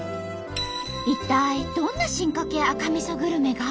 一体どんな進化系赤みそグルメが？